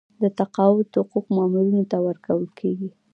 د تقاعد حقوق مامورینو ته ورکول کیږي